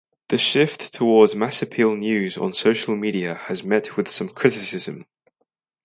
The shift toward mass appeal news on social media has met with some criticism.